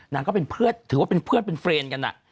นางก็ถือว่าเป็นเพื่อนเป็นเพื่อนกัน